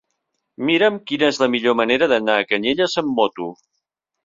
Mira'm quina és la millor manera d'anar a Canyelles amb moto.